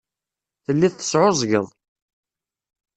Telliḍ tesɛuẓẓgeḍ.